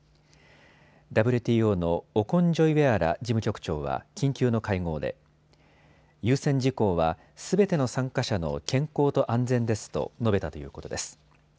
ＷＴＯのオコンジョイウェアラ事務局長は緊急の会合で優先事項は、すべての参加者の健康と安全ですと述べたということです。